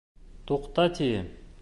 Туҡта, тием!